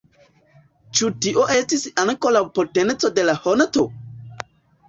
Ĉu tio estis ankoraŭ potenco de la honto?